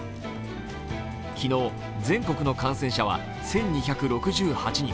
昨日、全国の感染者は１２６８人。